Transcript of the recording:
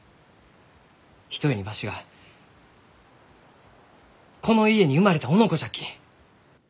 ひとえにわしがこの家に生まれたおのこじゃき！